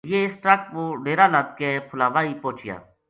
یہ اس ٹرک پو ڈیرا لد کے پھلا وائی پوہچیا